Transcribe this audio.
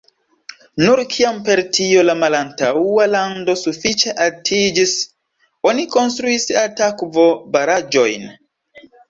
Nur kiam per tio la malantaŭa lando sufiĉe altiĝis, oni konstruis altakvo-baraĵojn.